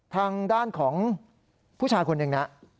ทางด้านของผู้ชายคนหนึ่งนะ